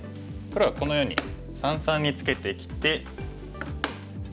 黒がこのように三々にツケてきて。